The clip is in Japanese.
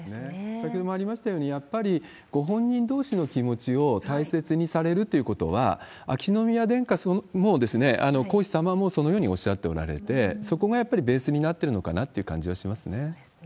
先ほどもありましたように、やっぱり、ご本人どうしの気持ちを大切にされるということは、秋篠宮殿下も、こうしさまもそのようにおっしゃっておられて、そこがやっぱりベースになってるのかなっていう感じはしますね。